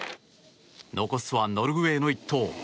残すはノルウェーの１投。